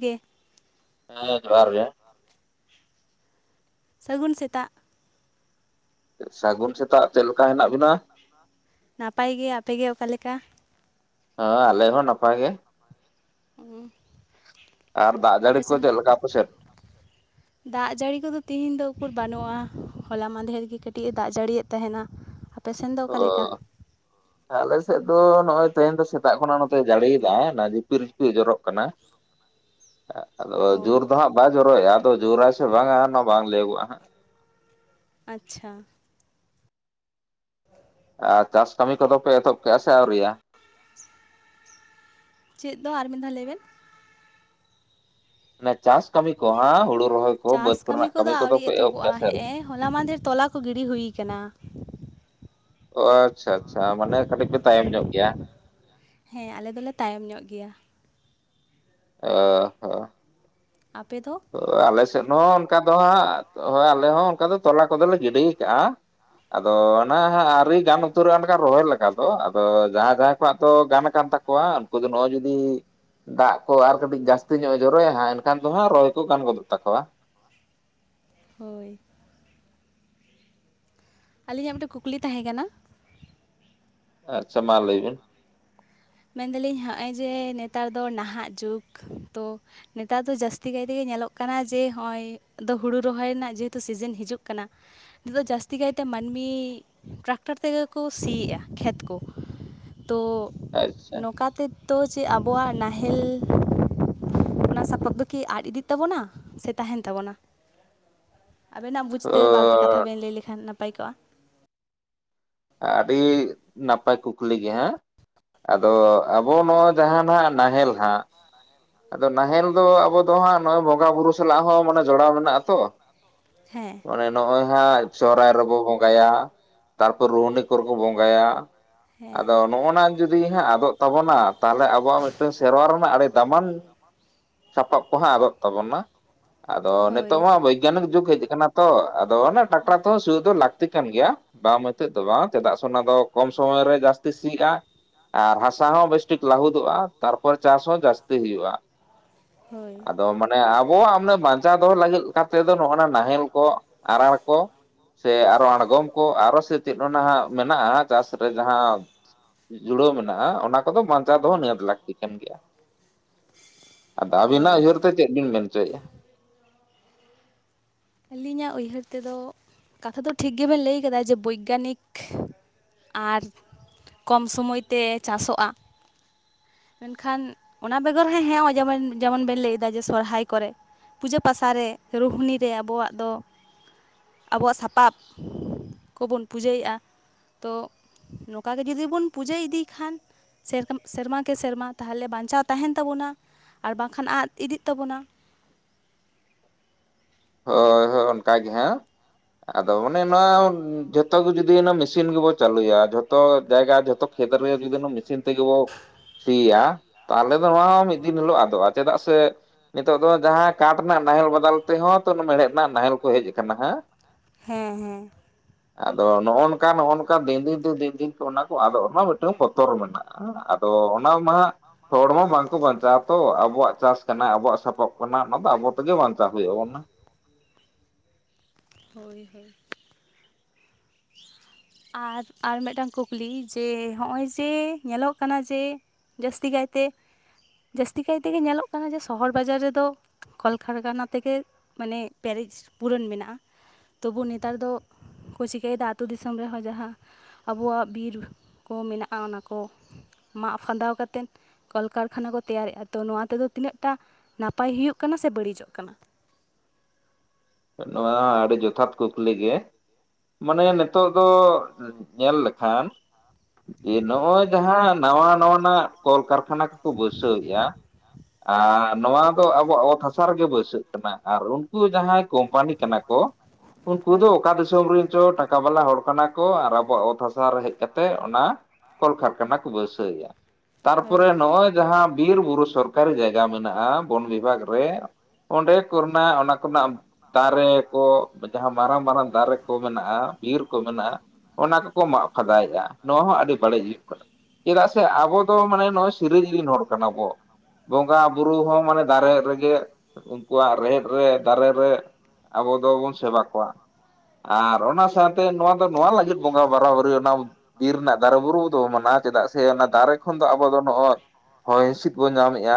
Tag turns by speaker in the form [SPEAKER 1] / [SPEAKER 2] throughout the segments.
[SPEAKER 1] ᱜᱮ
[SPEAKER 2] ᱦᱮᱸ ᱡᱚᱦᱟᱨ ᱜᱮᱼᱼ
[SPEAKER 1] ᱥᱟᱹᱜᱩᱱ ᱥᱮᱛᱟᱜ᱾
[SPEAKER 2] ᱥᱟᱜᱩᱱ ᱥᱮᱛᱟᱜ ᱪᱮᱫ ᱞᱮᱠᱟ ᱦᱮᱱᱟᱜ ᱵᱤᱱᱟ?
[SPEAKER 1] ᱱᱟᱯᱟᱭ ᱜᱮ ᱟᱯᱮ ᱜᱮ ᱚᱠᱟ ᱞᱮᱠᱟ?
[SPEAKER 2] ᱦᱮ ᱟᱞᱮ ᱦᱚᱸ ᱱᱟᱯᱟᱭ ᱜᱮ
[SPEAKER 1] [inaudible]
[SPEAKER 2] ᱟᱨ ᱫᱟᱜ ᱡᱟᱲᱤ ᱠᱚ
[SPEAKER 1] ᱟᱯᱮᱥᱮᱱ
[SPEAKER 2] ᱪᱮᱫ ᱞᱮᱠᱟ ᱟᱯᱮ ᱥᱮᱫ?
[SPEAKER 1] [inaudible] ᱫᱟᱜ ᱡᱟᱲᱤ ᱠᱚᱫᱚ ᱛᱤᱦᱤᱧ ᱫᱚ ᱩᱠᱩᱨ ᱵᱟᱹᱱᱩᱜᱼᱟ ᱦᱚᱞᱟ ᱢᱟᱫᱷᱮᱨ ᱜᱮ ᱠᱟᱹᱴᱤᱡ ᱮ ᱫᱟᱜ ᱡᱟᱲᱤᱭᱮᱫ ᱛᱟᱦᱮᱸᱱᱟ᱾
[SPEAKER 2] ᱚᱻ
[SPEAKER 1] [inaudible]
[SPEAKER 2] ᱟᱞᱮ ᱥᱮᱫ ᱫᱚ ᱱᱚᱜᱼᱚᱭ ᱛᱮᱦᱮᱧ ᱫᱚ ᱥᱮᱛᱟᱜ ᱠᱷᱚᱱᱟᱜ ᱱᱚᱛᱮ ᱡᱟᱹᱲᱤᱭᱫᱟ ᱡᱷᱤᱯᱤᱨ ᱡᱷᱤᱯᱤᱨ ᱡᱚᱨᱚᱜ ᱠᱟᱱᱟ᱾
[SPEAKER 1] [inaudible]
[SPEAKER 2] ᱟᱫᱚ
[SPEAKER 1] ᱚ
[SPEAKER 2] ᱡᱳᱨ ᱫᱚ ᱦᱟᱸᱜ ᱵᱟᱭ ᱡᱚᱨᱚᱭᱮᱫ-ᱟ ᱟᱫᱚ ᱡᱳᱨᱟᱭ ᱥᱮ ᱵᱟᱝᱟ ᱚᱱᱟ ᱵᱟᱝ ᱞᱟᱹᱭᱚᱜᱚᱜᱼᱟ ᱦᱟᱸᱜ
[SPEAKER 1] ᱟᱪᱪᱷᱟ᱾
[SPEAKER 2] ᱟᱨ ᱪᱟᱥ ᱠᱟᱢᱤ ᱠᱚᱫᱚ ᱯᱮ ᱮᱛᱚᱦᱚᱵ ᱠᱮᱜᱼᱟ ᱥᱮ ᱟᱣᱨᱤᱭᱟ᱾
[SPEAKER 1] ᱪᱮᱫ ᱫᱚ ᱟᱨ ᱢᱤᱫ ᱫᱷᱟᱣ ᱞᱟᱹᱭ ᱵᱮᱱ?
[SPEAKER 2] ᱚᱱᱮ ᱪᱟᱥ ᱠᱟᱹᱢᱤ ᱠᱚ ᱦᱟᱸ ᱦᱩᱲᱩ ᱨᱚᱦᱚᱭ ᱠᱚ
[SPEAKER 1] ᱪᱟᱥ
[SPEAKER 2] ᱵᱟᱹᱫᱽ
[SPEAKER 1] ᱠᱟᱹᱢᱤ
[SPEAKER 2] ᱠᱚᱨᱮᱱᱟᱜ
[SPEAKER 1] ᱠᱚᱫᱚ ᱟᱹᱣᱨᱤ
[SPEAKER 2] ᱯᱮ ᱮᱦᱚᱵ ᱠᱮᱜᱼᱟ
[SPEAKER 1] ᱮᱛᱚᱦᱚᱵᱚᱜ-ᱟ
[SPEAKER 2] ᱥᱮ ᱟᱹᱣᱨᱤ?
[SPEAKER 1] ᱦᱮᱸᱜᱼᱮ ᱦᱚᱞᱟ ᱢᱟᱫᱷᱮᱨ ᱛᱚᱞᱟ ᱠᱚ ᱜᱤᱰᱤ ᱦᱩᱭ ᱠᱟᱱᱟ᱾
[SPEAKER 2] ᱚ ᱟᱪᱪᱷᱟ ᱟᱪᱪᱷᱟ ᱢᱟᱱᱮ ᱠᱟᱴᱤᱡ ᱯᱮ ᱛᱟᱭᱚᱢ ᱧᱚᱜ ᱜᱮᱭᱟ᱾
[SPEAKER 1] ᱦᱮᱸ ᱟᱞᱮ ᱫᱚᱞᱮ ᱛᱟᱭᱚᱢ ᱧᱚᱜ ᱜᱮᱭᱟ᱾
[SPEAKER 2] ᱚ᱾ ᱦᱚ᱾
[SPEAKER 1] ᱟᱯᱮ ᱫᱚ?
[SPEAKER 2] ᱛᱚ ᱟᱞᱮ ᱥᱮᱫ ᱦᱚᱸ ᱚᱱᱠᱟ ᱫᱚ ᱦᱟᱸᱜ ᱦᱳᱭ ᱟᱞᱮ ᱦᱚᱸ ᱚᱱᱠᱟ ᱫᱚ ᱛᱚᱞᱟ ᱠᱚᱫᱚᱞᱮ ᱜᱤᱰᱤ ᱠᱟᱜ-ᱟ᱾ ᱟᱫᱚ ᱚᱱᱟ ᱦᱟᱸᱜ ᱟᱹᱣᱨᱤ ᱜᱟᱱ ᱩᱛᱟᱹᱨᱚᱜ-ᱟ ᱚᱱᱠᱟ ᱨᱚᱦᱚᱭ ᱞᱮᱠᱟ ᱫᱚ ᱟᱫᱚ ᱡᱟᱦᱟᱸᱭ ᱡᱟᱦᱟᱸᱭ ᱠᱚᱣᱟᱜ ᱫᱚ ᱜᱟᱱ ᱠᱟᱱ ᱛᱟ ᱠᱚᱣᱟ ᱩᱱᱠᱩ ᱫᱚ ᱱᱚᱜ-ᱚᱭ ᱡᱩᱫᱤ ᱫᱟᱜ ᱠᱚ ᱟᱨ ᱠᱟᱴᱤᱡ ᱡᱟᱥᱛᱤ ᱧᱚᱜ-ᱮ ᱡᱚᱨᱚᱭᱟ ᱦᱟᱸᱜ ᱮᱱᱠᱷᱟᱱ ᱫᱚ ᱦᱟᱸᱜ ᱨᱚᱦᱚᱭ ᱫᱚ ᱜᱟᱱ ᱜᱚᱫᱚᱜ ᱛᱟᱠᱚᱣᱟ᱾
[SPEAKER 1] ᱦᱳᱭ᱾ ᱟᱞᱤᱧᱟᱜ ᱢᱤᱫᱴᱮᱡ ᱠᱩᱠᱞᱤ ᱛᱟᱦᱮᱸ ᱠᱟᱱᱟ᱾
[SPEAKER 2] ᱟᱪᱪᱷᱟ ᱢᱟ ᱞᱟᱹᱭ ᱵᱤᱱ᱾
[SPEAKER 1] ᱢᱮᱱᱫᱟᱞᱤᱧ ᱦᱚᱸᱜ-ᱚᱭ ᱡᱮ ᱱᱮᱛᱟᱨ ᱫᱚ ᱱᱟᱦᱟᱜ ᱡᱩᱜᱽ ᱛᱚ ᱱᱮᱛᱟᱨ ᱫᱚ ᱡᱟᱥᱛᱤ ᱠᱟᱭ ᱛᱮᱜᱮ ᱧᱮᱞᱚᱜ ᱠᱟᱱᱟ ᱡᱮ ᱦᱚᱸᱜ-ᱚᱭ ᱫᱚ ᱦᱩᱲᱩ ᱨᱚᱦᱚᱭ ᱨᱮᱱᱟᱜ ᱡᱮᱦᱮᱛᱩ ᱥᱤᱡᱤᱱ ᱦᱤᱡᱩᱜ ᱠᱟᱱᱟ, ᱱᱤᱛᱚᱜ ᱡᱟᱥᱛᱤ ᱠᱟᱭ ᱛᱮ ᱢᱟᱱᱢᱤ ᱴᱨᱟᱠᱴᱟᱨ ᱛᱮᱜᱮ ᱠᱚ ᱥᱤᱭᱮᱫ-ᱟ ᱠᱷᱮᱛ ᱠᱚ, ᱛᱚ
[SPEAKER 2] ᱟᱪᱪᱷᱟ
[SPEAKER 1] ᱱᱚᱝᱠᱟ ᱛᱮ ᱛᱚ ᱪᱮᱫ ᱟᱵᱚᱣᱟᱜ ᱱᱟᱦᱮᱞ ᱚᱱᱟ [unintelligible] ᱫᱚ ᱠᱤ ᱟᱫ ᱤᱫᱤᱜ ᱛᱟᱵᱚᱱᱟ ᱥᱮ ᱛᱟᱦᱮᱸᱱ ᱛᱟᱵᱚᱱᱟ? ᱟᱵᱮᱱᱟᱜ
[SPEAKER 2] ᱛᱚ
[SPEAKER 1] ᱵᱩᱡᱽᱛᱮ ᱵᱟᱨ ᱯᱮ ᱠᱟᱛᱷᱟ ᱵᱮᱱ ᱞᱟᱹᱭ ᱞᱮᱠᱷᱟᱱ ᱱᱟᱯᱟᱭ ᱠᱚᱜ-ᱟ᱾
[SPEAKER 2] ᱟᱰᱤ ᱱᱟᱯᱟᱭ ᱠᱩᱠᱞᱤ ᱜᱮ ᱦᱮᱸ᱾ ᱟᱫᱚ ᱟᱵᱚ ᱱᱚᱣᱟ ᱡᱟᱦᱟᱸ ᱱᱟᱜ ᱱᱟᱦᱮᱞ ᱦᱟᱸᱜ, ᱟᱫᱚ ᱱᱟᱦᱮᱞ ᱫᱚ ᱟᱵᱚ ᱫᱚ ᱦᱟᱸᱜ ᱱᱚᱜ-ᱚᱭ ᱵᱚᱸᱜᱟ ᱵᱩᱨᱩ ᱥᱟᱞᱟᱜ ᱦᱚᱸ ᱢᱟᱱᱮ ᱡᱚᱲᱟᱣ ᱢᱮᱱᱟᱜ-ᱟ ᱛᱚ,
[SPEAKER 1] ᱦᱮᱸ᱾
[SPEAKER 2] ᱢᱟᱱᱮ ᱱᱚᱜ-ᱚᱭ ᱦᱟᱸᱜ ᱥᱚᱦᱚᱨᱟᱭ ᱨᱮᱵᱚ ᱵᱚᱸᱜᱟᱭᱟ ᱛᱟᱨᱯᱚᱨ ᱨᱩᱦᱱᱤ ᱠᱚᱨᱮ ᱠᱚ ᱵᱚᱸᱜᱟᱭᱟ,
[SPEAKER 1] ᱦᱮᱸ
[SPEAKER 2] ᱟᱫᱚ ᱱᱚᱜᱼᱚ ᱱᱟ ᱡᱩᱫᱤ ᱦᱟᱸᱜ ᱟᱫᱚᱜ ᱛᱟᱵᱚᱱᱟ ᱛᱟᱦᱚᱞᱮ ᱟᱵᱚᱣᱟᱜ ᱢᱤᱫᱴᱟᱝ ᱥᱮᱨᱣᱟ ᱨᱮᱱᱟᱜ ᱟᱰᱤ ᱫᱟᱢᱟᱱ ᱥᱟᱯᱟᱵ ᱠᱚᱦᱚᱸ ᱟᱫᱚᱜ ᱛᱟᱵᱚᱱᱟ, ᱟᱫᱚ
[SPEAKER 1] ᱦᱳᱭ
[SPEAKER 2] ᱱᱤᱛᱳᱜ ᱢᱟ ᱵᱳᱭᱜᱟᱱᱤᱠ ᱡᱩᱜᱽ ᱦᱮᱡ ᱠᱟᱱᱟ ᱛᱚ ᱟᱫᱚ ᱚᱱᱟ ᱴᱟᱠᱴᱟᱨ ᱛᱮᱦᱚᱸ ᱥᱤᱭᱳᱜ ᱫᱚ ᱞᱟᱠᱛᱤ ᱠᱟᱱ ᱜᱮᱭᱟ, ᱵᱟᱝ ᱮᱛᱮᱫ ᱫᱚ ᱵᱟᱝ ᱪᱮᱫᱟᱜ ᱥᱮ ᱚᱱᱟ ᱫᱚ ᱠᱚᱢ ᱥᱚᱢᱚᱭ ᱨᱮ ᱡᱟᱹᱥᱛᱤ ᱥᱤᱜᱼᱟ, ᱟᱨ ᱦᱟᱥᱟ ᱦᱚᱸ ᱵᱮᱥᱴᱷᱤᱠ ᱞᱟᱦᱩᱫᱚᱜᱼᱟ ᱛᱟᱨᱯᱚᱨ ᱪᱟᱥ ᱦᱚᱸ ᱡᱟᱹᱥᱛᱤ ᱦᱩᱭᱩᱜᱼᱟ᱾
[SPEAKER 1] ᱦᱳᱭ᱾
[SPEAKER 2] ᱛᱚ ᱢᱟᱱᱮ ᱟᱵᱚᱣᱟᱜ ᱢᱟᱱᱮ ᱵᱟᱧᱪᱟᱣ ᱫᱚᱦᱚ ᱞᱟᱹᱜᱤᱫ ᱠᱟᱛᱮ ᱫᱚ ᱱᱚᱜᱼᱚ ᱱᱟ ᱱᱟᱦᱮᱞ ᱠᱚ, ᱟᱲᱟᱨ ᱠᱚ, ᱥᱮ ᱟᱨᱚ ᱟᱬᱜᱚᱢ ᱠᱚ ᱟᱨᱚ ᱥᱮ ᱪᱮᱫ ᱚᱱᱟ ᱦᱟᱸᱜ ᱢᱮᱱᱟᱜᱼᱟ ᱪᱟᱥ ᱨᱮ ᱡᱟᱦᱟᱸ ᱡᱩᱲᱟᱹᱣ ᱢᱮᱱᱟᱜᱼᱟ ᱚᱱᱟ ᱠᱚᱫᱚ ᱵᱟᱧᱪᱟᱣ ᱫᱚᱦ ᱱᱤᱦᱟᱹᱛ ᱞᱟᱹᱠᱛᱤ ᱠᱟᱱ ᱜᱮᱭᱟ᱾ ᱟᱫᱚ
[SPEAKER 1] ᱦᱳᱭ
[SPEAKER 2] ᱟᱹᱵᱤᱱᱟᱜ ᱩᱭᱦᱟᱹᱨ ᱛᱮ ᱪᱮᱫ ᱵᱤᱱ ᱢᱮᱱ ᱦᱚᱪᱚᱭᱮᱫᱼᱟ?
[SPEAKER 1] ᱟᱹᱞᱤᱧᱟᱜ ᱩᱭᱦᱟᱹᱨ ᱛᱮᱫᱚ, ᱠᱟᱛᱷᱟ ᱫᱚ ᱴᱷᱤᱠ ᱜᱮᱵᱮᱱ ᱞᱟᱹᱭ ᱠᱟᱫᱟ ᱡᱮ ᱵᱳᱭᱜᱟᱱᱤᱠ ᱟᱨ ᱠᱚᱢ ᱥᱚᱢᱚᱭ ᱛᱮ ᱪᱟᱥᱚᱜᱼᱟ᱾ ᱢᱮᱱᱠᱷᱟᱱ ᱚᱱᱟ ᱵᱮᱜᱚᱨ ᱦᱚᱸ ᱦᱚᱜᱼᱚᱭ ᱡᱮᱢᱚᱱ ᱡᱮᱢᱚᱱ ᱵᱮᱱ ᱞᱟᱹᱭ ᱮᱟ ᱡᱮ ᱥᱚᱨᱦᱟᱭ ᱠᱚᱨᱮ, ᱯᱩᱡᱟᱹ ᱯᱟᱥᱟᱮ ᱨᱩᱦᱱᱤ ᱨᱮ ᱟᱵᱚᱣᱟᱜ ᱫᱚ ᱟᱵᱚᱣᱟᱜ ᱥᱟᱯᱟᱵ ᱠᱚᱵᱚᱱ ᱯᱩᱡᱟᱹᱭᱮᱫᱼᱟ᱾ ᱛᱚ ᱱᱚᱠᱟ ᱜᱮ ᱡᱩᱫᱤ ᱵᱚᱱ ᱯᱩᱡᱟᱹ ᱤᱫᱤ ᱠᱷᱟᱱ ᱥᱮᱨᱚᱠᱟᱢ ᱥᱮᱨᱢᱟ ᱠᱮ ᱥᱮᱨᱢᱟ ᱛᱟᱦᱚᱞᱮ ᱵᱟᱧᱪᱟᱣ ᱛᱟᱦᱮᱱ ᱛᱟᱵᱚᱱᱟ ᱟᱨ ᱵᱟᱝᱠᱷᱟᱱ ᱟᱫ ᱤᱫᱤᱜ ᱛᱟᱵᱚᱱᱟ᱾
[SPEAKER 2] ᱦᱳᱭ ᱦᱳᱭ ᱚᱱᱠᱟᱟᱜ ᱜᱮ ᱦᱟᱸᱜ᱾ ᱟᱫᱚ ᱚᱱᱮ ᱱᱚᱣᱟ ᱡᱷᱚᱛᱚ ᱜᱮ ᱡᱩᱫᱤ ᱚᱱᱟ ᱢᱮᱥᱤᱱ ᱜᱮᱵᱚ ᱪᱟᱹᱞᱩᱭᱟ ᱡᱷᱚᱛᱚ ᱡᱟᱭᱜᱟ ᱡᱚᱛᱚ ᱠᱷᱮᱛ ᱨᱮᱜᱮ ᱡᱩᱫᱤ ᱚᱱᱟ ᱢᱤᱥᱤᱱ ᱛᱮᱜᱮ ᱵᱚ ᱥᱤᱭᱟ, ᱛᱟᱦᱚᱞᱮ ᱫᱚ ᱱᱚᱣᱟ ᱦᱚᱸ ᱢᱤᱫ ᱫᱤᱱ ᱦᱤᱞᱳᱜ ᱟᱫᱚᱜᱼᱟ ᱪᱮᱫᱟᱜ ᱥᱮ ᱱᱤᱛᱚᱜ ᱫᱚ ᱡᱟᱦᱟᱸ ᱠᱟᱴ ᱨᱮᱱᱟᱜ ᱱᱟᱦᱮᱞ ᱵᱟᱫᱟᱞ ᱛᱮᱦᱚᱸᱼᱼ ᱢᱮᱲᱦᱮᱫ ᱨᱮᱱᱟᱜ ᱱᱟᱦᱮᱞ ᱠᱚ ᱦᱮᱡ ᱟᱠᱟᱱᱟ ᱦᱟᱜ
[SPEAKER 1] ᱦᱮᱸ ᱦᱮᱸ
[SPEAKER 2] ᱟᱫᱚ ᱱᱚᱜᱼᱚ [unintelligible] ᱚᱱᱠᱟ ᱱᱚᱜᱼᱚ ᱱᱚᱝᱠᱟ ᱫᱤᱱ ᱫᱤᱱ ᱛᱮ ᱫᱤᱱ ᱫᱤᱱ ᱠᱚ ᱚᱱᱟ ᱠᱚ ᱟᱫᱚ ᱚᱱᱟ ᱢᱤᱫᱴᱟᱝ ᱵᱚᱛᱚᱨ ᱢᱮᱱᱟᱜᱼᱟ ᱟᱫᱚ ᱚᱱᱟ ᱢᱟᱦᱟᱸᱜ
[SPEAKER 1] ᱚᱱᱟ ᱢᱟ ᱦᱟᱸᱜ ᱦᱚᱲᱢᱚ ᱵᱟᱝ ᱠᱚ ᱵᱟᱧᱪᱟᱣ ᱫᱚ ᱟᱵᱚᱣᱟᱜ ᱪᱟᱥ ᱠᱟᱱᱟ ᱟᱵᱚᱣᱟᱜ ᱥᱟᱯ
[SPEAKER 2] ᱟᱫᱚ ᱟᱵᱚ ᱛᱮᱜᱮ ᱵᱟᱧᱪᱟᱣ ᱦᱩᱭ ᱟᱵᱚᱱᱱᱟ
[SPEAKER 1] ᱦᱳᱭ ᱦᱳᱭ ᱟᱨ ᱟᱨ ᱢᱤᱫᱴᱟᱝ ᱠᱩᱠᱞᱤ ᱡᱮ ᱦᱚᱸᱜᱼᱚᱭ ᱡᱮ ᱧᱮᱞᱚᱜ ᱠᱟᱱᱟ ᱡᱮᱼᱼ ᱡᱟᱹᱥᱛᱤ ᱠᱟᱭᱛᱮ ᱡᱟᱹᱥᱛᱤ ᱠᱟᱭᱛᱮᱜᱮ ᱧᱮᱞᱚᱜ ᱠᱟᱱᱟ ᱡᱮ ᱥᱚᱦᱚᱨ ᱵᱟᱡᱟᱨ ᱨᱮ ᱫᱚ ᱠᱚᱞᱠᱟᱨᱠᱷᱟᱱᱟ ᱛᱮᱜᱮ ᱢᱟᱱᱮ ᱯᱮᱨᱮᱡ ᱯᱩᱨᱟᱹᱱ ᱢᱮᱱᱟᱜᱼᱟ ᱛᱚᱵᱩ ᱱᱮᱛᱟᱨ ᱫᱚᱠᱚ ᱪᱤᱠᱟᱹᱭ ᱮᱫᱟ ᱟᱛᱳ ᱫᱤᱥᱚᱢ ᱫᱤᱥᱚᱢ ᱨᱮᱦᱚᱸ ᱡᱟᱦᱟᱸ ᱟᱵᱚᱣᱟᱜ ᱵᱤᱨ ᱠᱚ ᱢᱮᱱᱟᱜᱼᱟ ᱚᱱᱟ ᱠᱚᱼᱼ ᱢᱟᱜ ᱯᱷᱟᱸᱫᱟᱣ ᱠᱟᱛᱮᱱ ᱠᱚᱞ ᱠᱟᱨᱠᱷᱟᱱᱟ ᱠᱚ ᱛᱮᱭᱟᱨᱮᱫᱼᱟ ᱛᱚ ᱱᱚᱣᱟ ᱛᱮᱫᱚ ᱛᱤᱱᱟᱹᱜ ᱴᱟ ᱱᱟᱯᱟᱭ ᱦᱩᱭᱩᱜ ᱠᱟᱱᱟ ᱥᱮ ᱵᱟᱹᱲᱤᱡᱚᱜ ᱠᱟᱱᱟ
[SPEAKER 2] ᱱᱚᱣᱟ ᱟᱹᱰᱤ ᱡᱚᱛᱷᱟᱛ ᱠᱩᱠᱞᱤ ᱜᱮ ᱢᱟᱱᱮ ᱱᱤᱛᱚᱜ ᱫᱚ ᱧᱮᱞᱼᱼ ᱠᱷᱟᱱ ᱡᱮ
[SPEAKER 1] ᱦᱳᱭ
[SPEAKER 2] ᱱᱚᱜᱼᱚᱭ ᱡᱟᱦᱟᱸ ᱱᱟᱣᱟ ᱱᱟᱣᱟᱱᱟᱜ ᱠᱚᱞ ᱠᱟᱨᱠᱷᱟᱱᱟ ᱠᱚᱠᱚ ᱵᱟᱹᱭᱥᱟᱹᱣ ᱮᱜᱼᱟ ᱟᱨ ᱱᱚᱣᱟ ᱫᱚ ᱟᱵᱚᱣᱟᱜ ᱚᱛ ᱦᱟᱥᱟ ᱨᱮᱜᱮ ᱵᱟᱹᱭᱥᱟᱹᱜ ᱠᱟᱱᱟ ᱟᱨ ᱩᱱᱠᱩ ᱡᱟᱦᱟᱸᱭ ᱠᱚᱢᱯᱟᱱᱤ ᱠᱟᱱᱟ ᱠᱚ [unintelligible] ᱩᱱᱠᱩ
[SPEAKER 1] ᱦᱳᱭ
[SPEAKER 2] ᱫᱚ ᱚᱠᱟ ᱫᱤᱥᱚᱢ ᱨᱮᱱ ᱪᱚ ᱴᱟᱠᱟ ᱵᱟᱞᱟ ᱦᱚᱲ ᱠᱟᱱᱟ ᱠᱚ ᱟᱨ ᱟᱵᱚᱣᱟᱜ ᱚᱛ ᱦᱟᱥᱟ ᱨᱮ ᱦᱮᱡ ᱠᱟᱛᱮᱫ ᱚᱱᱟ ᱠᱚᱞ ᱠᱟᱨᱠᱷᱟᱱᱟ ᱠᱚ ᱵᱟᱹᱭᱥᱟᱹᱭ ᱮᱜᱼᱟ
[SPEAKER 1] ᱦᱳᱭ
[SPEAKER 2] ᱛᱟᱨᱯᱚᱨᱮ ᱱᱚᱜᱼᱚᱭ ᱡᱟᱦᱟᱸ ᱵᱤᱨ ᱵᱩᱨᱩ ᱥᱚᱨᱠᱟᱨᱤ ᱡᱟᱭᱜᱟ ᱢᱮᱱᱟᱜᱼᱟ ᱵᱚᱱ ᱵᱤᱵᱷᱟᱜᱽ ᱨᱮ ᱚᱸᱰᱮ ᱠᱚᱨᱱᱟ ᱚᱱᱟ ᱠᱚ ᱨᱮᱱᱟᱜᱼᱼ ᱫᱟᱨᱮ ᱠᱚ ᱡᱟᱦᱟᱸ ᱢᱟᱨᱟᱝ ᱢᱟᱨᱟᱝ ᱫᱟᱨᱮ ᱠᱚ ᱢᱮᱱᱟᱜᱼᱟ ᱵᱤᱨ ᱠᱚ ᱢᱮᱱᱟᱜᱼᱟ ᱚᱱᱟ ᱠᱚᱠᱚ ᱢᱟᱜ ᱯᱷᱟᱫᱟᱭ ᱮᱫᱼᱟ ᱱᱚᱣᱟ ᱦᱚᱸ ᱟᱹᱰᱤ ᱵᱟᱹᱲᱤᱡ ᱦᱩᱭᱩᱜ ᱠᱟᱱᱟ ᱪᱮᱫᱟᱜ ᱥᱮ ᱟᱵᱚ ᱫᱚ ᱢᱟᱱᱮ ᱱᱚᱜᱚᱭ [unintelligible] ᱨᱮᱱ ᱦᱚᱲ ᱠᱟᱱᱟ ᱵᱚ ᱵᱚᱸᱜᱟ ᱵᱩᱨᱩ ᱦᱚᱸ ᱢᱟᱱᱮ ᱫᱟᱨᱮ ᱨᱮᱜᱮ ᱩᱱᱠᱩᱣᱟᱜ ᱨᱮᱦᱮᱫ ᱨᱮ ᱫᱟᱨᱮ ᱨᱮ ᱟᱵᱚ ᱫᱚᱵᱚᱱ ᱥᱮᱵᱟ ᱠᱚᱣᱟ ᱟᱨ ᱚᱱᱟ ᱥᱟᱶᱛᱮ ᱱᱚᱣᱟ ᱫᱚ ᱱᱚᱣᱟ ᱞᱟᱹᱜᱤᱫ ᱵᱚᱸᱜᱟ ᱵᱟᱨᱼᱵᱩᱨᱩ ᱚᱱᱟ ᱵᱤᱨ ᱨᱮᱱᱟᱜ ᱫᱟᱨᱮ ᱵᱩᱨᱩ ᱫᱚ ᱢᱮᱱᱟᱜᱼᱟ ᱪᱮᱫᱟᱜ ᱥᱮ ᱥᱮ ᱚᱱᱟ ᱫᱟᱨᱮ ᱠᱷᱚᱱ ᱫᱚ ᱟᱵᱚ ᱫᱚ ᱱᱚᱜᱼᱚᱭ ᱦᱚᱭ ᱦᱤᱸᱥᱤᱫ ᱵᱚᱱ ᱧᱟᱢᱮᱫᱼᱟ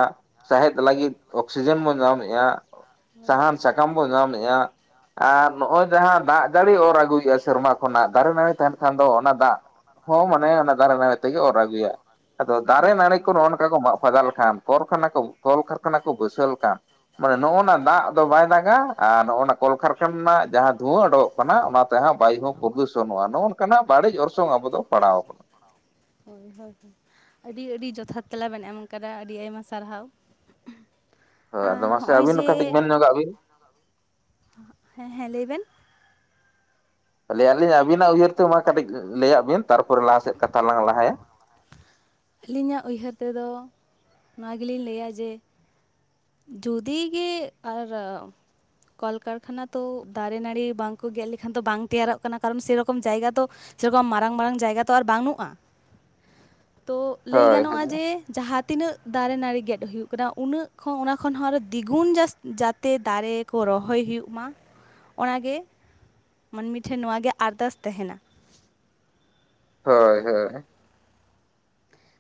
[SPEAKER 2] ᱥᱟᱦᱮᱫ ᱞᱟᱹᱜᱤᱫ ᱚᱠᱥᱤᱡᱮᱱ ᱵᱚᱱ ᱧᱟᱢᱮᱫᱼᱟ
[SPEAKER 1] ᱦᱳᱭ
[SPEAKER 2] ᱥᱟᱦᱟᱱ ᱥᱟᱠᱟᱢ ᱵᱚᱱ ᱧᱟᱢ ᱮᱜᱼᱟ ᱟᱨ ᱱᱚᱜᱼᱚᱭ ᱡᱟᱦᱟᱸ ᱫᱟᱜ ᱡᱟᱹᱲᱤ ᱚᱨ ᱟᱹᱜᱩᱭ ᱮᱫᱼᱟ ᱥᱮᱨᱢᱟ ᱠᱷᱚᱱᱟᱜ ᱫᱟᱨᱮ ᱱᱟᱹᱲᱤ ᱛᱟᱦᱮᱱ ᱠᱷᱟᱱ ᱫᱚ ᱚᱱᱟ ᱫᱟᱜᱼᱼ ᱦᱚᱸ ᱢᱟᱱᱮ ᱚᱱᱟ ᱫᱟᱨᱮ ᱱᱟᱲᱤ ᱛᱮᱜᱮ ᱚᱨ ᱟᱹᱜᱩᱭᱟ ᱟᱫᱚ ᱫᱟᱨᱮ
[SPEAKER 1] ᱦᱳᱭ
[SPEAKER 2] ᱱᱟᱹᱲᱤ ᱠᱚ ᱱᱚᱜ ᱱᱚᱝᱠᱟ ᱠᱚ ᱢᱟᱜ ᱯᱷᱟᱫᱟ ᱞᱮᱠᱷᱟᱱ ᱠᱚᱨᱠᱷᱟᱱᱟ ᱠᱚ ᱠᱚᱞᱠᱟᱨᱠᱷᱟᱱᱟ ᱠᱚ ᱵᱟᱭᱥᱟᱣ ᱞᱮᱠᱷᱟᱱ ᱢᱟᱱᱮ ᱱᱚᱜᱼᱚ ᱱᱟ ᱫᱟᱜ ᱫᱚ ᱵᱟᱭ ᱫᱟᱜᱟ ᱟᱨ ᱱᱚᱜᱼᱚ ᱱᱟ ᱠᱚᱞᱠᱟᱨᱠᱷᱟᱱᱟ ᱨᱮᱱᱟᱜ ᱡᱟᱦᱟᱸ ᱫᱷᱩᱣᱟᱹ ᱚᱰᱚᱠᱚᱜ ᱠᱟᱱᱟ ᱚᱱᱟ ᱛᱮᱦᱚ ᱵᱟᱭᱩ ᱦᱚᱸ ᱯᱩᱨᱫᱩᱥᱚᱱᱚᱜᱼᱟ ᱱᱚᱜᱼᱚ ᱱᱚᱠᱟᱱ [unintelligible]
[SPEAKER 1] ᱦᱳᱭ ᱦᱳᱭ ᱟᱹᱰᱤ ᱟᱹᱰᱤ ᱡᱚᱛᱷᱟᱛ ᱛᱮᱞᱟ ᱵᱮᱱ ᱮᱢ ᱠᱟᱫᱟ ᱟᱹᱰᱤ ᱟᱭᱢᱟ ᱥᱟᱨᱦᱟᱣ
[SPEAKER 2] ᱦᱳᱭ
[SPEAKER 1] ᱟᱨ
[SPEAKER 2] ᱟᱫᱚ ᱢᱟᱥᱮ
[SPEAKER 1] ᱦᱚᱸᱜᱼᱚᱭ
[SPEAKER 2] ᱟᱹᱵᱤᱱ ᱦᱚ
[SPEAKER 1] ᱡᱮ
[SPEAKER 2] ᱠᱟᱹᱴᱤᱡ ᱢᱮᱱ ᱧᱚᱸᱜᱟᱜ ᱵᱤᱱ
[SPEAKER 1] ᱦᱮᱸ ᱦᱮᱸ ᱞᱟᱹᱭ ᱵᱮᱱ
[SPEAKER 2] ᱞᱟᱹᱭ ᱟᱞᱤᱧ ᱟᱹᱵᱤᱱᱟᱜ ᱩᱭᱦᱟᱹᱨ ᱛᱮ ᱢᱟ ᱠᱟᱹᱴᱤᱡ ᱞᱟᱹᱭᱟᱜ ᱵᱤᱱ ᱛᱟᱨᱯᱚᱨᱮ ᱞᱟᱦᱟ ᱥᱮᱫ ᱠᱟᱛᱷᱟ ᱞᱟᱝ ᱞᱟᱦᱟᱭᱟ
[SPEAKER 1] ᱟᱹᱞᱤᱧᱟᱜ ᱩᱭᱦᱟᱹᱨ ᱛᱮ ᱫᱚ ᱱᱚᱣᱟ ᱜᱮᱞᱤᱧ ᱞᱟᱹᱭᱼᱟ ᱡᱮ, ᱡᱩᱫᱤ ᱜᱮ ᱟᱨᱼᱼ ᱠᱚᱞ ᱠᱟᱨᱠᱷᱟᱱᱟ ᱛᱚ ᱫᱟᱨᱮ ᱱᱟᱲᱤ ᱵᱟᱝ ᱠᱚ ᱜᱮᱫ ᱞᱮᱠᱷᱟᱱ ᱫᱚ ᱵᱟᱝ ᱛᱮᱭᱟᱨᱚᱜ ᱠᱟᱱᱟ ᱠᱟᱨᱚᱱ ᱥᱮᱨᱚᱠᱚᱢ ᱡᱟᱭᱜᱟ ᱛᱚ ᱥᱮᱨᱠᱚᱢ ᱢᱟᱨᱟᱝ ᱢᱟᱨᱟᱝ ᱡᱟᱭᱜᱟ ᱛᱚ ᱟᱨ ᱵᱟᱱᱩᱜᱼᱟ᱾ ᱛᱚ ᱞᱟᱹᱭ
[SPEAKER 2] ᱦᱳᱭ᱾
[SPEAKER 1] ᱜᱟᱱᱚᱜᱼᱟ ᱡᱮ ᱡᱟᱦᱟᱸ ᱛᱤᱱᱟᱹᱜ ᱫᱟᱨᱮ ᱱᱟᱹᱲᱤ ᱜᱮᱫ ᱦᱩᱭᱩᱜ ᱠᱟᱱᱟ ᱩᱱᱟᱹᱜ, ᱠᱷᱚ ᱚᱱᱟ ᱠᱷᱚᱱ ᱦᱚᱸ ᱟᱨᱚ ᱫᱤᱜᱩᱱ ᱡᱟᱥᱛᱤ ᱡᱟᱛᱮ ᱫᱟᱨᱮ ᱠᱚ ᱨᱚᱦᱚᱭ ᱦᱩᱭᱩᱜ ᱢᱟ᱾ ᱚᱱᱟᱜᱮ ᱢᱟᱹᱱᱢᱤ ᱴᱷᱮᱱ ᱱᱚᱣᱟ ᱜᱮ ᱟᱨᱫᱟᱥ ᱛᱟᱦᱮᱱᱟ᱾
[SPEAKER 2] ᱦᱳᱭ ᱦᱳᱭ᱾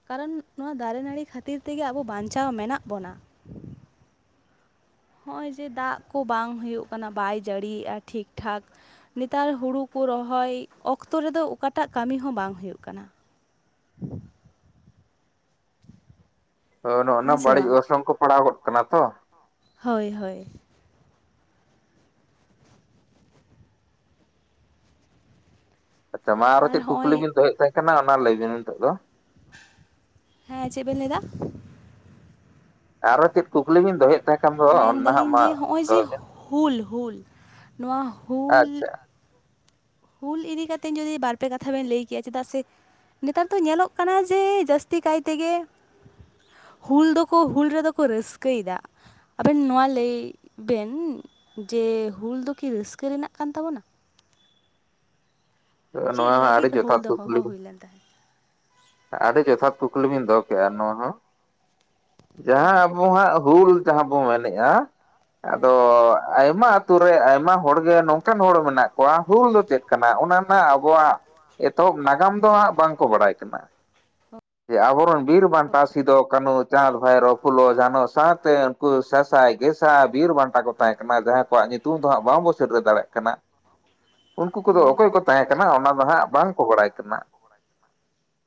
[SPEAKER 1] ᱠᱟᱨᱚᱱ ᱱᱚᱣᱟ ᱫᱟᱨᱮ ᱱᱟᱹᱲᱤ ᱠᱷᱟᱹᱛᱤᱨ ᱛᱮᱜᱮ ᱟᱵᱚ ᱵᱟᱧᱪᱟᱣ ᱢᱮᱱᱟᱜ ᱵᱚᱱᱟ᱾ ᱦᱚᱸᱜᱼᱚᱭ ᱡᱮ ᱫᱟᱜ ᱠᱚ ᱵᱟᱝ ᱦᱩᱭᱩᱜ ᱠᱟᱱᱟ ᱵᱟᱭ ᱡᱟᱹᱲᱤᱜᱼᱟ ᱴᱷᱤᱠ ᱴᱷᱟᱠ ᱱᱮᱛᱟᱨ ᱦᱩᱲᱩ ᱠᱚ ᱨᱚᱦᱚᱭ ᱚᱠᱛᱚ ᱨᱮᱫᱚ ᱚᱠᱟᱴᱟᱜ ᱠᱟᱹᱢᱤ ᱦᱚᱸ ᱵᱟᱝ ᱦᱩᱭᱩᱜ ᱠᱟᱱᱟ᱾
[SPEAKER 2] ᱱᱚᱜᱼᱚ
[SPEAKER 1] ᱦᱮᱸ
[SPEAKER 2] ᱱᱚᱣᱟ
[SPEAKER 1] ᱥᱮ
[SPEAKER 2] ᱵᱟᱹᱲᱤᱡ
[SPEAKER 1] ᱵᱟᱝ
[SPEAKER 2] ᱚᱨᱥᱚᱝ ᱠᱚ ᱯᱟᱲᱟᱣ ᱜᱚᱫ ᱠᱟᱱᱟ ᱛᱚ᱾
[SPEAKER 1] ᱦᱳᱭ ᱦᱳᱭ᱾
[SPEAKER 2] ᱟᱪᱪᱷᱟ ᱢᱟ ᱟᱨᱚ
[SPEAKER 1] ᱟᱨ
[SPEAKER 2] ᱪᱮᱫ
[SPEAKER 1] ᱦᱚᱸᱜᱼᱚᱭ
[SPEAKER 2] ᱠᱩᱠᱞᱤ ᱵᱤᱱ ᱫᱚᱦᱚᱭᱮᱫ ᱛᱟᱦᱮᱸᱜ ᱠᱟᱱᱟ ᱚᱱᱟ ᱞᱟᱹᱭᱵᱤᱱ ᱱᱤᱛᱚᱜ ᱫᱚ᱾
[SPEAKER 1] ᱦᱮᱸ ᱪᱮᱫ ᱵᱮᱱ ᱞᱟᱹᱭ ᱫᱟ?
[SPEAKER 2] ᱟᱨᱚ ᱪᱮᱫ ᱠᱩᱠᱞᱤ ᱵᱤᱱ ᱫᱚᱦᱚᱭᱮᱫ ᱛᱟᱦᱮᱸᱫ ᱠᱷᱟᱱ ᱫᱚ ᱱᱟᱦᱟᱜ
[SPEAKER 1] ᱢᱮᱱᱫᱟᱞᱤᱧ
[SPEAKER 2] ᱢᱟ
[SPEAKER 1] ᱡᱮ ᱦᱚᱸᱜᱼᱚᱭ ᱡᱮ
[SPEAKER 2] ᱫᱚᱦᱚ ᱵᱤᱱ
[SPEAKER 1] ᱦᱩᱞ ᱦᱩᱞ ᱱᱚᱣᱟ ᱦᱩᱞ
[SPEAKER 2] ᱟᱪᱪᱷᱟ᱾
[SPEAKER 1] ᱦᱩᱞ ᱤᱫᱤ ᱠᱟᱛᱮ ᱡᱩᱫᱤ ᱵᱟᱨᱯᱮ ᱠᱟᱛᱷᱟ ᱵᱮᱱ ᱞᱟᱹᱭ ᱠᱮᱭᱟ ᱪᱮᱫᱟᱜ ᱥᱮ ᱱᱮᱛᱟᱨ ᱫᱚ ᱧᱮᱞᱚᱜ ᱠᱟᱱᱟ ᱡᱮ ᱡᱟᱹᱥᱛᱤ ᱠᱟᱭ ᱛᱮᱜᱮ ᱦᱩᱞ ᱫᱚᱠᱚ ᱦᱩᱞ ᱨᱮᱫᱚ ᱠᱚ ᱨᱟᱹᱥᱠᱟᱹᱭ ᱫᱟ᱾ ᱟᱵᱮᱱ ᱱᱚᱣᱟ ᱞᱟᱹᱭ ᱵᱮᱱ ᱡᱮ ᱦᱩᱞ ᱫᱚ ᱠᱤ ᱨᱟᱹᱥᱠᱟᱹ ᱨᱮᱱᱟᱜ ᱠᱟᱱ ᱛᱟᱵᱚᱱᱟ? ᱪᱮᱫ
[SPEAKER 2] ᱱᱚᱣᱟ ᱦᱚᱸ ᱟᱹᱰᱤ
[SPEAKER 1] ᱞᱟᱹᱜᱤᱫ ᱦᱩᱞ
[SPEAKER 2] ᱡᱚᱛᱷᱟᱛ
[SPEAKER 1] ᱫᱚ ᱦᱚᱦᱚ
[SPEAKER 2] ᱠᱩᱠᱞᱤ
[SPEAKER 1] ᱦᱩᱭᱞᱮᱱ ᱛᱟᱦᱮᱸᱫ?
[SPEAKER 2] ᱟᱹᱰᱤ ᱡᱚᱛᱷᱟᱛ ᱠᱩᱠᱞᱤ ᱵᱤᱱ ᱫᱚᱦᱚ ᱠᱮᱜᱼᱟ ᱱᱚᱣᱟ ᱦᱚᱸ᱾ ᱡᱟᱦᱟᱸ ᱟᱵᱚ ᱦᱟᱸᱜ ᱦᱩᱞ ᱡᱟᱦᱟᱸ ᱵᱚ ᱢᱮᱱᱮᱜᱼᱟ
[SPEAKER 1] ᱦᱮᱸ
[SPEAKER 2] ᱟᱫᱚ ᱟᱭᱢᱟ ᱟᱛᱩ ᱨᱮ ᱟᱭᱢᱟ ᱦᱚᱲᱜᱮ ᱱᱚᱝᱠᱟᱱ ᱦᱚᱲ ᱢᱮᱱᱟᱜ ᱠᱚᱣᱟ ᱦᱩᱞ ᱫᱚ ᱪᱮᱫ ᱠᱟᱱᱟ ᱚᱱᱟ ᱨᱮᱱᱟᱜ ᱟᱵᱚᱣᱟᱜ ᱮᱛᱚᱦᱚᱵ ᱱᱟᱜᱟᱢ ᱫᱚ ᱦᱟᱸᱜ ᱵᱟᱝᱠᱚ ᱵᱟᱲᱟᱭ ᱠᱟᱱᱟ᱾ ᱡᱮ ᱟᱵᱚᱨᱮᱱ ᱵᱤᱨ ᱵᱟᱱᱴᱟ ᱥᱤᱫᱳ ᱠᱟᱱᱩ, ᱪᱟᱸᱫᱽ ᱵᱷᱟᱭᱨᱳ, ᱯᱷᱩᱞᱳ ᱡᱷᱟᱱᱚ ᱥᱟᱶᱛᱮ ᱩᱱᱠᱩ ᱥᱟᱥᱟᱭ ᱜᱮᱥᱟᱭ ᱵᱤᱨ ᱵᱟᱱᱴᱟ ᱟᱭᱢᱟ ᱠᱚᱛᱟᱦᱮᱸ ᱠᱟᱱᱟ ᱡᱟᱦᱟᱸᱭ ᱠᱚᱣᱟᱜ ᱧᱩᱛᱩᱢ ᱛᱚ ᱦᱟᱸᱜ ᱵᱟᱝᱵᱚ ᱥᱮᱴᱮᱨ ᱫᱟᱲᱮᱭᱟᱜ ᱠᱟᱱᱟ ᱩᱱᱠᱩ ᱠᱚᱫᱚ
[SPEAKER 1] ᱦᱳᱭ
[SPEAKER 2] ᱚᱠᱚᱭ ᱠᱚ ᱛᱟᱦᱮᱸ ᱠᱟᱱᱟ ᱚᱱᱟ ᱫᱚ ᱦᱟᱸᱜ ᱵᱟᱝᱠᱚ ᱵᱟᱲᱟᱭ ᱠᱟᱱᱟ᱾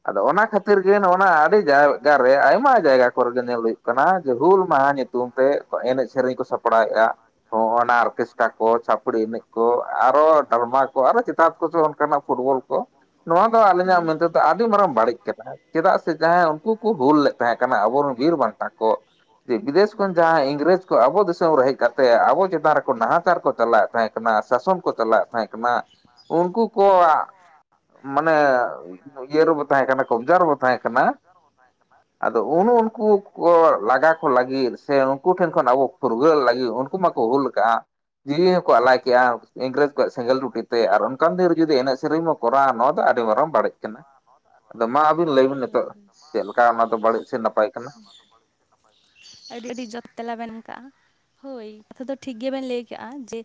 [SPEAKER 2] ᱟᱫᱚ ᱚᱱᱟ ᱠᱷᱟᱹᱛᱤᱨ ᱜᱮ ᱱᱚᱜᱼᱚ ᱱᱟ ᱟᱹᱰᱤ ᱡᱟᱭᱜᱟ ᱨᱮ ᱟᱭᱢᱟ ᱡᱟᱭᱜᱟ ᱠᱚᱨᱮ ᱛᱮ ᱧᱮᱞ ᱦᱩᱭᱩᱜ ᱠᱟᱱᱟ ᱡᱮ ᱦᱩᱞ ᱢᱟᱦᱟ ᱧᱩᱛᱩᱢ ᱛᱮ ᱮᱱᱮᱡ ᱥᱮᱨᱮᱧ ᱠᱚ ᱥᱟᱯ ᱲᱟᱭᱟᱜᱼᱟ ᱦᱚᱸ ᱚᱱᱟ ᱚᱨᱠᱮᱥᱴᱟᱨ ᱠᱚ ᱪᱷᱟᱯᱲᱤ ᱮᱱᱮᱡ ᱠᱚ ᱟᱨᱚ ᱫᱟᱞᱢᱟ ᱠᱚ ᱟᱨᱚ ᱪᱮᱛᱟᱱ ᱠᱚᱫᱚ ᱚᱱᱠᱟᱱᱟᱜ ᱯᱷᱩᱴᱵᱚᱞ ᱠᱚ ᱱᱚᱣᱟ ᱫᱚ
[SPEAKER 1] ᱦᱮᱸ
[SPEAKER 2] ᱟᱹᱞᱤᱧᱟᱜ ᱢᱮᱱᱛᱮᱫᱚ ᱟᱹᱰᱤ ᱢᱟᱨᱟᱝ ᱵᱟᱹᱲᱤᱡ ᱠᱟᱱᱟ᱾ ᱪᱮᱫᱟᱜ ᱥᱮ ᱡᱟᱦᱟᱸᱭ ᱩᱱᱠᱩ ᱠᱚ ᱦᱩᱞ ᱞᱮᱫ ᱛᱟᱦᱮᱸ ᱠᱟᱱᱟ ᱟᱵᱚ ᱨᱮᱱ ᱵᱤᱨ ᱵᱟᱱᱴᱟ ᱠᱚ ᱡᱮ ᱵᱤᱫᱮᱥ ᱠᱷᱚᱱ ᱡᱟᱦᱟᱸᱭ ᱤᱝᱨᱮᱡᱽ ᱠᱚ ᱟᱵᱚ ᱫᱤᱥᱚᱢ ᱨᱮ ᱦᱮᱡ ᱠᱟᱛᱮ ᱟᱵᱚ ᱪᱮᱛᱟᱱ ᱨᱮ ᱠᱚ ᱱᱟᱦᱟᱪᱟᱨ ᱠᱚ ᱪᱟᱞᱟᱣᱮᱫ ᱛᱟᱦᱮᱸᱜ ᱠᱟᱱᱟ ᱥᱟᱥᱚᱱ ᱠᱚ ᱪᱟᱞᱟᱣᱮᱫ ᱛᱟᱦᱮᱸᱜ ᱠᱟᱱᱟ ᱩᱱᱠᱩ ᱠᱚᱣᱟᱜ ᱢᱟᱱᱮ ᱤᱭᱟᱹ ᱨᱮᱵᱚ ᱛᱟᱦᱮᱸ ᱠᱟᱱᱟ ᱠᱚᱵᱽᱡᱟ ᱨᱮᱵᱚ ᱛᱟᱦᱮᱸ ᱠᱟᱱᱟ ᱟᱫᱚ ᱩᱱ ᱩᱱᱠᱩ ᱠᱚ ᱞᱟᱜᱟ ᱠᱚ ᱞᱟᱹᱜᱤᱫ ᱥᱮ ᱩᱱᱠᱩ ᱴᱷᱮᱱ ᱠᱷᱚᱱ ᱟᱵᱚ ᱯᱷᱩᱨᱜᱟᱹᱞ ᱞᱟᱹᱜᱤᱫ ᱡᱮ ᱩᱱᱠᱩ ᱢᱟᱠᱚ ᱦᱩᱞ ᱠᱟᱜᱼᱟ᱾ ᱡᱤᱣᱤ ᱦᱚᱸᱠᱚ ᱟᱞᱟᱭ ᱠᱮᱜᱼᱟ ᱤᱝᱨᱮᱡᱽ ᱠᱚᱣᱟᱜ ᱥᱮᱸᱜᱮᱞ ᱴᱩᱴᱤ ᱛᱮ ᱟᱨ ᱚᱱᱠᱟᱱ ᱫᱤᱱ ᱨᱮ ᱡᱩᱫᱤ ᱮᱱᱮᱡ ᱥᱮᱨᱮᱧ ᱠᱚᱨᱟᱣᱟ ᱱᱚᱣᱟ ᱫᱚ ᱟᱹᱰᱤ ᱢᱟᱨᱟᱝ ᱵᱟᱹᱲᱤᱡ ᱠᱟᱱᱟ᱾ ᱟᱫᱚ ᱢᱟ ᱟᱹᱵᱤᱱ ᱞᱟᱹᱭ ᱵᱤᱱ ᱱᱤᱛᱚᱜ ᱪᱮᱫ ᱞᱮᱠᱟ ᱚᱱᱟ ᱫᱚ ᱵᱟᱹᱲᱤᱡ ᱥᱮ ᱱᱟᱯᱟᱭ? ᱠᱟᱱᱟ
[SPEAKER 1] ᱟᱹᱰᱤ ᱟᱹᱰᱤ ᱡᱚᱛ ᱛᱮᱞᱟᱵᱮᱱ ᱮᱢ ᱠᱟᱜᱼᱟ᱾ ᱦᱳᱭ ᱠᱟᱛᱷᱟ ᱫᱚ ᱴᱷᱤᱠ ᱜᱮᱵᱮᱱ ᱞᱟᱹᱭ ᱠᱟᱜᱼᱟ᱾ ᱡᱮ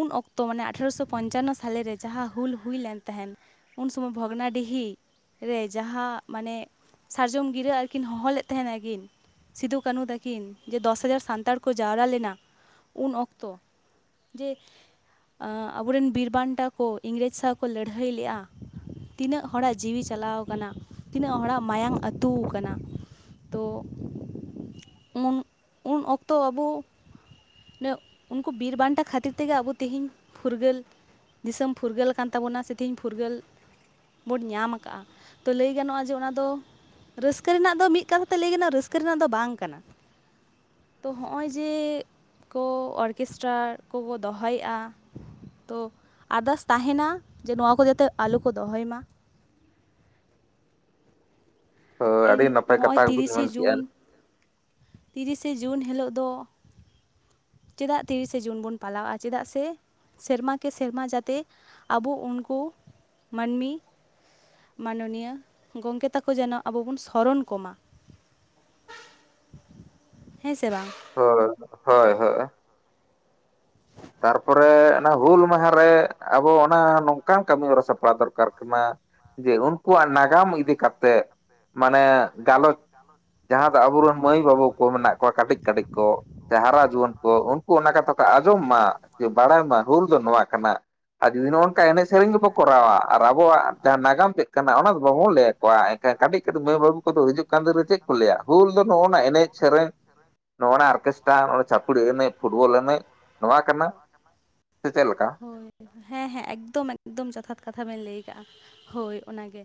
[SPEAKER 1] ᱩᱱ ᱚᱠᱛᱚ ᱢᱟᱱᱮ ᱟᱴᱷᱟᱨᱚᱥᱚ ᱯᱚᱧᱪᱟᱱᱱᱚ ᱥᱟᱞᱮᱨᱮ ᱡᱟᱦᱟᱸ ᱦᱩᱞ ᱦᱩᱭ ᱞᱮᱱ ᱛᱟᱦᱮᱸᱱ ᱩᱱ ᱥᱚᱢᱚᱭ ᱵᱷᱚᱜᱽᱱᱟᱰᱤᱦᱤ ᱨᱮ ᱡᱟᱦᱟᱸ ᱢᱟᱱᱮ ᱥᱟᱨᱡᱚᱢ ᱜᱤᱨᱟᱹ ᱟᱨᱠᱤᱱ ᱦᱚᱦᱚ ᱞᱮᱫ ᱛᱟᱸᱦᱮᱱᱟ ᱠᱤᱱ ᱥᱤᱫᱩ ᱠᱟᱹᱱᱦᱩ ᱛᱟᱹᱠᱤᱱ ᱡᱮ ᱫᱚᱥ ᱦᱟᱡᱟᱨ ᱥᱟᱱᱛᱟᱲ ᱠᱚ ᱡᱟᱣᱨᱟ ᱞᱮᱱᱟ, ᱩᱱ ᱚᱠᱛᱚ ᱡᱮ ᱟᱹ ᱟᱵᱚᱨᱮᱱ ᱵᱤᱨ ᱵᱟᱱᱴᱟ ᱠᱚ ᱤᱝᱨᱮᱡᱽ ᱥᱟᱶ ᱠᱚ ᱞᱟᱹᱰᱦᱟᱹᱭ ᱞᱮᱫᱼᱟ, ᱛᱤᱱᱟᱹᱜ ᱦᱚᱲᱟᱜ ᱡᱤᱣᱤ ᱪᱟᱞᱟᱣ ᱠᱟᱱᱟ ᱛᱤᱱᱟᱹᱜ ᱦᱚᱲᱟᱜ ᱢᱟᱭᱟᱝ ᱟᱹᱛᱩ ᱠᱟᱱᱟ, ᱛᱳ ᱩᱱ ᱩᱱ ᱚᱠᱛᱚ ᱟᱵᱚ [inaudible] ᱩᱱᱠᱩ ᱵᱤᱨ ᱵᱟᱱᱴᱟ ᱠᱷᱟᱹᱛᱤᱨ ᱛᱮᱜᱮ ᱟᱵᱚ ᱛᱤᱦᱤᱧ ᱯᱷᱩᱨᱜᱟᱹᱞ, ᱫᱤᱥᱚᱢ ᱯᱷᱩᱨᱜᱟᱹᱞ ᱠᱟᱱ ᱛᱟᱵᱚᱱᱟ ᱥᱮ ᱛᱤᱦᱤᱧ ᱯᱷᱩᱨᱜᱟᱹᱞ ᱵᱳᱱ ᱧᱟᱢ ᱠᱟᱜᱼᱟ, ᱛᱚ ᱞᱟᱹᱭ ᱜᱟᱱᱚᱜᱼᱟ ᱡᱮ ᱚᱱᱟᱫᱚ ᱨᱟᱹᱥᱠᱟᱹ ᱨᱮᱱᱟᱜ ᱫᱚ ᱢᱤᱫ ᱠᱟᱛᱷᱟ ᱛᱮ ᱞᱟᱹᱭ ᱜᱟᱱᱚᱜᱼᱟ, ᱨᱟᱹᱥᱠᱟᱹ ᱨᱮᱱᱟᱜ ᱫᱚ ᱵᱟᱝ ᱠᱟᱱᱟ᱾ ᱛᱚ ᱦᱚᱸᱜᱼᱚᱭ ᱡᱮ ᱠᱚ ᱚᱨᱠᱮᱥᱴᱟᱨ ᱠᱚᱠᱚ ᱫᱚᱦᱚᱭᱮᱜᱼᱟ ᱛᱚ ᱟᱨᱫᱟᱥ ᱛᱟᱸᱦᱮᱱᱟ ᱡᱮ ᱱᱚᱣᱟ ᱠᱚ ᱡᱟᱛᱮ ᱟᱞᱚ ᱠᱚ ᱫᱚᱦᱚᱭ ᱢᱟ᱾
[SPEAKER 2] ᱦᱳᱭ
[SPEAKER 1] ᱤᱱ
[SPEAKER 2] ᱟᱹᱰᱤ ᱱᱟᱯᱟᱭ
[SPEAKER 1] ᱦᱚᱸᱜᱼᱚᱭ
[SPEAKER 2] ᱠᱟᱛᱷᱟ ᱜᱮᱵᱤᱱ
[SPEAKER 1] ᱛᱤᱨᱤᱥᱮ
[SPEAKER 2] ᱢᱮᱱ ᱠᱮᱜᱼᱟ
[SPEAKER 1] ᱡᱩᱱ, ᱛᱤᱨᱤᱥᱮ ᱡᱩᱱ ᱦᱤᱞᱳᱜ ᱫᱚ ᱪᱮᱫᱟᱜ ᱛᱤᱨᱤᱥᱮ ᱡᱩᱱ ᱵᱚᱱ ᱯᱟᱞᱟᱣᱼᱟ, ᱪᱮᱫᱟᱜ ᱥᱮ ᱥᱮᱨᱢᱟ ᱠᱮ ᱥᱮᱨᱢᱟ ᱡᱟᱛᱮ ᱟᱵᱚ ᱩᱱᱠᱩ ᱢᱟᱹᱱᱢᱤ ᱢᱟᱱᱚᱱᱤᱭᱟᱹ ᱜᱚᱝᱠᱮ ᱛᱟᱠᱚ ᱡᱮᱱᱚ ᱟᱵᱚ ᱵᱚᱱ ᱥᱚᱨᱚᱱ ᱠᱚᱢᱟ᱾ ᱦᱮᱸ ᱥᱮ ᱵᱟᱝ?
[SPEAKER 2] ᱦᱳᱭ ᱦᱚᱭ ᱦᱚᱭ᱾ ᱛᱟᱨᱯᱚᱨᱮ ᱚᱱᱟ ᱦᱩᱞ ᱢᱟᱦᱟᱨᱮ ᱟᱵᱚ ᱚᱱᱟ ᱱᱚᱝᱠᱟᱱ ᱠᱟᱹᱢᱤ ᱦᱚᱨᱟ ᱥᱟᱯᱲᱟᱣ ᱫᱚᱨᱠᱟᱨ ᱠᱟᱱᱟ ᱡᱮ ᱩᱱᱠᱩᱣᱟᱜ ᱱᱟᱜᱟᱢ ᱤᱫᱤ ᱠᱟᱛᱮᱜ, ᱢᱟᱱᱮ ᱜᱟᱞᱚᱪ ᱡᱟᱦᱟᱸ ᱫᱚ ᱟᱵᱚᱨᱮᱱ ᱢᱟᱹᱭ ᱵᱟᱹᱵᱩ ᱠᱚ ᱢᱮᱱᱟᱜ ᱠᱚᱣᱟ ᱠᱟᱹᱴᱤᱡ ᱠᱟᱹᱴᱤᱡ ᱠᱚ, ᱦᱟᱨᱟ ᱡᱩᱣᱟᱹᱱ ᱠᱚ ᱩᱱᱠᱩ ᱚᱱᱟ ᱠᱟᱛᱷᱟ ᱠᱚ ᱟᱸᱡᱚᱢ ᱢᱟ ᱡᱮ ᱵᱟᱲᱟᱭ ᱢᱟ ᱦᱩᱞ ᱫᱚ ᱱᱚᱣᱟ ᱠᱟᱱᱟ᱾ ᱟᱨ ᱡᱩᱫᱤ ᱱᱚᱜᱼᱚ ᱱᱚᱝᱠᱟ ᱮᱱᱮᱡ ᱥᱮᱨᱮᱧ ᱜᱮᱠᱚ ᱠᱚᱨᱟᱣᱟ, ᱟᱨ ᱟᱵᱚᱣᱟᱜ ᱡᱟᱦᱟᱸ ᱱᱟᱜᱟᱢ ᱪᱮᱫ ᱠᱟᱱᱟ ᱚᱱᱟ ᱫᱚ ᱵᱟᱵᱚᱱ ᱞᱟᱹᱭᱟᱠᱚᱣᱟ ᱮᱱᱠᱷᱟᱱ ᱠᱟᱹᱴᱤᱡ ᱠᱟᱹᱴᱤᱡ ᱢᱟᱹᱭ ᱵᱟᱹᱵᱩ ᱠᱚᱫᱚ ᱦᱤᱡᱩᱜ ᱠᱟᱱ ᱫᱤᱱ ᱨᱮ ᱪᱮᱫ ᱠᱚ ᱞᱟᱹᱭᱟ ᱦᱩᱞ ᱫᱚ ᱱᱚᱜᱼᱚᱱᱟ ᱮᱱᱮᱡ ᱥᱮᱨᱮᱧ
[SPEAKER 1] ᱞᱮᱭ ᱢᱮ᱾
[SPEAKER 2] ᱱᱚᱜᱼᱱᱟ ᱚᱨᱠᱮᱥᱴᱨᱟ, ᱱᱚᱜᱼᱚᱭ ᱪᱷᱟᱯᱲᱤ ᱮᱱᱮᱡ ᱯᱷᱩᱴᱵᱚᱞ ᱮᱱᱮᱡ ᱱᱚᱣᱟ ᱠᱟᱱᱟ ᱥᱮ ᱪᱮᱫ ᱞᱮᱠᱟ?
[SPEAKER 1] ᱦᱳᱭ ᱦᱮᱸ ᱦᱮᱸ ᱮᱠᱫᱚᱢ ᱮᱠᱫᱚᱢ ᱡᱚᱛᱷᱟᱛ ᱠᱟᱛᱷᱟ ᱵᱮᱱ ᱞᱟᱹᱭ ᱠᱟᱜᱼᱟ ᱦᱳᱭ ᱚᱱᱟᱜᱮ᱾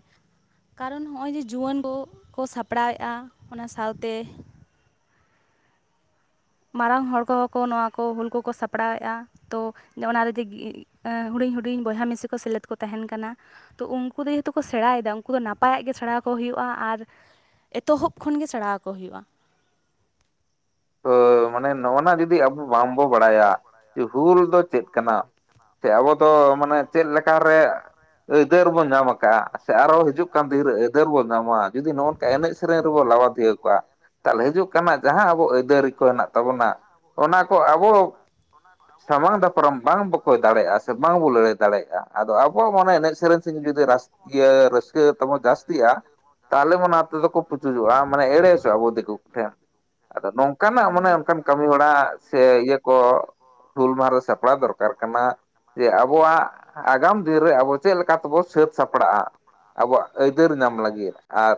[SPEAKER 1] ᱠᱟᱨᱚᱱ ᱦᱚᱸᱜᱼᱚᱭ ᱡᱮ ᱡᱩᱣᱟᱹᱱ ᱠᱚ ᱠᱚ ᱥᱟᱯᱲᱟᱣᱮᱜᱼᱟ ᱚᱱᱟ ᱥᱟᱶᱛᱮ ᱢᱟᱨᱟᱝ ᱦᱚᱲ ᱠᱚᱦᱚᱸ ᱠᱚ ᱱᱚᱣᱟ ᱠᱚ ᱦᱩᱞ ᱠᱚᱠᱚ ᱥᱟᱯᱲᱟᱣᱮᱜᱼᱟ᱾ ᱛᱚ ᱚᱱᱟ ᱨᱮᱜᱤ [unintelligible] ᱮᱸ ᱦᱩᱰᱤᱧ ᱦᱩᱰᱤᱧ ᱵᱚᱭᱦᱟ ᱢᱤᱥᱤ ᱠᱚ ᱥᱮᱞᱮᱫ ᱠᱚ ᱛᱟᱸᱦᱮᱱ ᱠᱟᱱᱟ᱾ ᱛᱚ ᱩᱝᱠᱩ ᱫᱚ ᱡᱮᱦᱛᱩ ᱠᱚ ᱥᱮᱬᱟᱭᱫᱟ ᱩᱝᱠᱩ ᱫᱚ ᱱᱟᱯᱟᱭᱟᱜ ᱜᱮ ᱥᱮᱬᱟᱣ ᱟᱠᱚ ᱦᱩᱭᱩᱜᱼᱟ, ᱟᱨ ᱮᱛᱚᱦᱚᱵ ᱠᱷᱚᱱ ᱜᱮ ᱥᱮᱬᱟᱣ ᱟᱠᱚ ᱦᱩᱭᱩᱜᱼᱟ᱾
[SPEAKER 2] ᱛᱚ ᱢᱟᱱᱮ ᱱᱚᱜᱼᱱᱟ ᱡᱩᱫᱤ ᱟᱵᱚ ᱵᱟᱝᱵᱚ ᱵᱟᱲᱟᱭᱟ ᱡᱮ ᱦᱩᱞ ᱫᱚ ᱪᱮᱫ ᱠᱟᱱᱟ? ᱪᱮ ᱟᱵᱚ ᱫᱚ ᱢᱟᱱᱮ ᱪᱮᱫ ᱞᱮᱠᱟᱨᱮ ᱟᱹᱭᱫᱟᱹᱨ ᱵᱚᱱ ᱧᱟᱢ ᱠᱟᱜᱼᱟ, ᱥᱮ ᱟᱨᱚ ᱦᱤᱡᱩᱜ ᱠᱟᱱ ᱫᱤᱱ ᱨᱮ ᱟᱹᱭᱫᱟᱹᱨ ᱵᱚᱱ ᱧᱟᱢᱟ, ᱡᱩ ᱫᱤ ᱱᱚᱜᱼᱱᱚᱝᱠᱟ ᱮᱱᱮᱡ ᱥᱮᱨᱮᱧ ᱨᱮᱵᱚ ᱞᱟᱵᱟᱫᱷᱤᱭᱟᱹ ᱠᱚᱣᱟ, ᱛᱟᱦᱞᱮ ᱦᱤᱡᱩᱜ ᱠᱟᱱᱟ ᱡᱟᱦᱟᱸ ᱟᱵᱚ ᱟ. ᱭ ᱠᱚ ᱦᱮᱱᱟᱜ ᱛᱟᱵᱚᱱᱟ ᱚᱱᱟ ᱠᱚ ᱟᱵᱚ ᱥᱟᱢᱟᱝ ᱫᱟᱯᱨᱟᱢ ᱵᱟᱝᱵᱚ ᱠᱚᱭ ᱫᱟᱲᱮᱜᱼᱟ ᱥᱮ ᱵᱟᱝᱵᱚ ᱞᱟᱹᱲᱟᱹᱭ ᱫᱟᱲᱮᱜᱼᱟ᱾ ᱟᱫᱚ ᱟᱵᱚᱣᱟᱜ ᱢᱟᱱᱮ ᱮᱱᱮᱡ ᱥᱮᱨᱮᱧ ᱥᱮᱱ ᱡᱩᱫᱤ ᱨᱟᱥᱠᱤᱭᱟᱹ ᱨᱟᱹᱥᱠᱟᱹ ᱛᱟᱵᱚ ᱡᱟᱹᱥᱛᱤᱜᱼᱟ, ᱛᱟᱦᱞᱮ ᱢᱟ ᱚᱱᱟ ᱛᱮᱫᱚ ᱠᱚ ᱯᱩᱪᱩᱡᱚᱜᱼᱟ ᱢᱟᱱᱮ ᱮᱲᱮ ᱦᱚᱪᱚᱜ ᱟᱵᱚ ᱫᱤᱠᱩ ᱠᱚᱴᱷᱮᱱ, ᱟᱫᱚ ᱱᱚᱝ ᱚᱱᱠᱟᱱᱟᱜ ᱢᱟᱱᱮ
[SPEAKER 1] ᱦᱳᱭ
[SPEAKER 2] ᱚᱱᱠᱟᱱ ᱠᱟᱹᱢᱤ ᱦᱚᱨᱟ ᱥᱮ ᱤᱭᱟᱹ ᱠᱚ ᱦᱩᱞ ᱢᱟᱦᱟ ᱨᱮ ᱥᱟᱯᱲᱟᱣ ᱫᱚᱨᱠᱟᱨ ᱠᱟᱱᱟ, ᱡᱮ ᱟᱵᱚᱣᱟᱜ ᱟᱜᱟᱢ ᱫᱤᱱ ᱨᱮ ᱟᱵᱚ ᱪᱮᱫ ᱞᱮᱠᱟ ᱛᱮᱵᱚ ᱥᱟᱹᱛ ᱥᱟᱯᱲᱟᱜᱼᱟ ᱟᱵᱚᱣᱟᱜ ᱟᱹᱭᱫᱟᱹᱨ ᱧᱟᱢ ᱞᱟᱹᱜᱤᱫ, ᱟᱨ